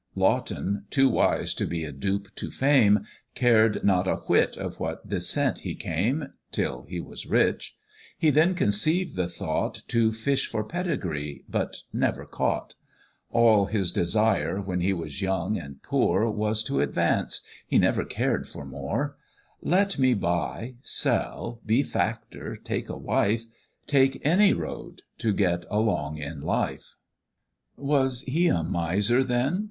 Laughton, too wise to be a dupe to fame, Cared not a whit of what descent he came, Till he was rich; he then conceived the thought To fish for pedigree, but never caught: All his desire, when he was young and poor, Was to advance; he never cared for more: "Let me buy, sell, be factor, take a wife, Take any road, to get along in life." Was he a miser then?